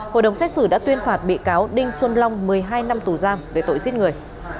hội đồng xét xử đã tuyên phạt bị cáo đinh xuân long một mươi hai năm tù giam về tội giết người